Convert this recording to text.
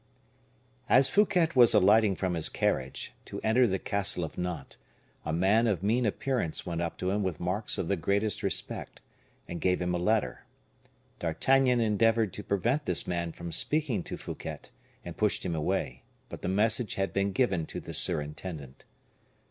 As Fouquet was alighting from his carriage, to enter the castle of Nantes, a man of mean appearance went up to him with marks of the greatest respect, and gave him a letter. D'Artagnan endeavored to prevent this man from speaking to Fouquet, and pushed him away, but the message had been given to the surintendant.